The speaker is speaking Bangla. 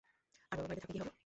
আর বাবা বাড়িতে থাকলে কি হবে?